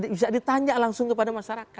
bisa ditanya langsung kepada masyarakat